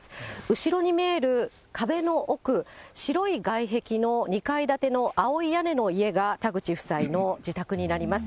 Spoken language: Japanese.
後ろに見える壁の奥、白い外壁の２階建ての青い屋根の家が、たぐち夫妻の自宅になります。